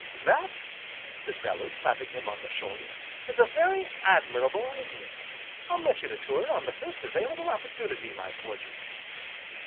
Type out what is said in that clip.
"That," said Bellew, clapping him on the shoulder, "is a very admirable idea, I'll mention it to her on the first available opportunity, my Porges."